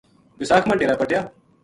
بیساکھ ما ڈیر ا پٹیا